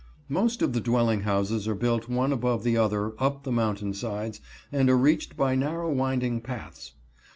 Most of the dwelling houses are built one above the other up the mountain sides, and are reached by narrow, winding paths.